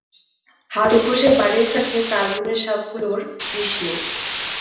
হারু ঘোষের বাড়ির কাছে তালবনের সাপগুলির বিষ নাই।